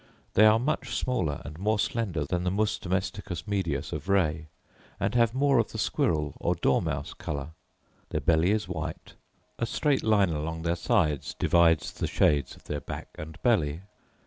They are much smaller and more slender than the mus domesticus medius of Ray; and have more of the squirrel or dormouse colour: their belly is white, a straight line along their sides divides the shades of their back and belly.